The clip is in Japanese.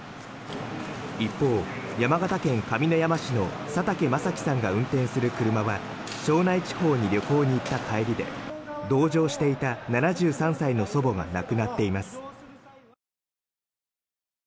一方、山形県上山市の佐竹雅樹さんが運転する車は庄内地方に旅行に行った帰りで同乗していた７３歳の祖母が亡くなっています。